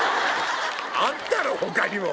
あんだろ⁉他にも。